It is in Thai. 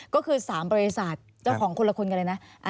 ก็คือ๓บริษัทเจ้าของคนละคนกันเลยนะ